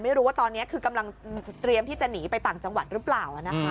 ไม่รู้ว่าตอนนี้คือกำลังเตรียมที่จะหนีไปต่างจังหวัดหรือเปล่านะคะ